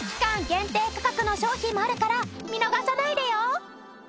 限定価格の商品もあるから見逃さないでよ！